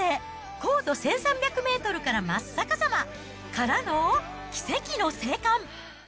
高度１３００メートルから真っ逆さま！からの、奇跡の生還。